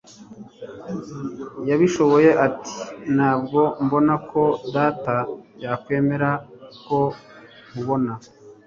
Yabishoboye ati: "Ntabwo mbona ko data yakwemera ko nkubona."